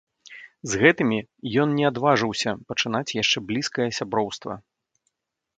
З гэтымі ён не адважваўся пачынаць яшчэ блізкае сяброўства.